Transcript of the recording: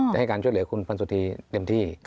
ให้การช่วยเหลือคุณพันสุธีเต็มที่